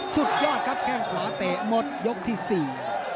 สุดยอดครับแข้งขวาเตะหมดยกที่สี่